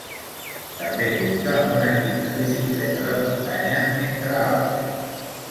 També compta amb un equip de bicicleta de muntanya entre altres.